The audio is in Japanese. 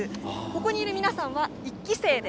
ここにいる皆さんは１期生。